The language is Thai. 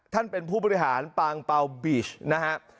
ท่านเป็นผู้บริหารปางเปล่าบีชนะครับ